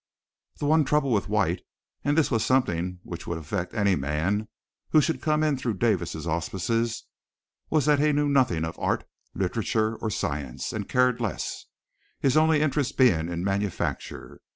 The one trouble with White, and this was something which would affect any man who should come in through Davis' auspices, was that he knew nothing of art, literature, or science, and cared less, his only interest being in manufacture.